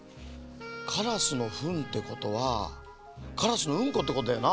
カラスのフンってことはカラスのウンコってことだよな。